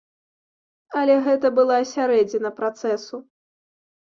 Але гэта была сярэдзіна працэсу.